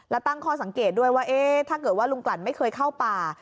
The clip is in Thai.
และตั้งข้อสังเกตด้วยว่าถ้าเกิดว่าลุงกลั่นไม่เคยเข้าป่า